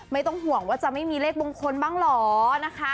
ไม่ต้องห่วงว่าจะไม่มีเลขมงคลบ้างเหรอนะคะ